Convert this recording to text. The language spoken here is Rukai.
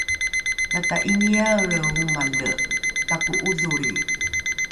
lata ’iniaelre omale tako’odholri!